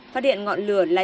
phát hiện ngọn lửa